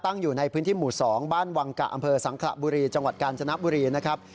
อยู่ในพื้นที่หมู่๒บ้านวังกะอำเภอสังขระบุรีจังหวัดกาญจนบุรีนะครับ